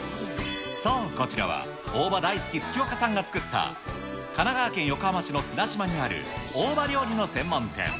そう、こちらは大葉大好き、月岡さんが作った、神奈川県横浜市の綱島にある大葉料理の専門店。